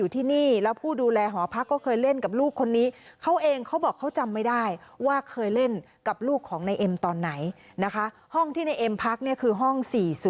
ตอนไหนนะคะห้องที่ในเอ็มพักนี่คือห้อง๔๐๗